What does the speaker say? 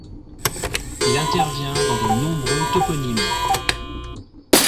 Il intervient dans de nombreux toponymes.